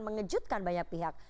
mengejutkan banyak pihak